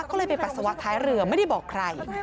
ก็เลยไปปัสสาวะท้ายเรือไม่ได้บอกใคร